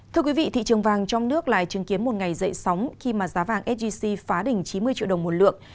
thưa quý vị thị trường vàng trong nước lại chứng kiến một ngày dậy sóng khi mà giá vàng sgc phá đỉnh chín mươi triệu đồng một lượng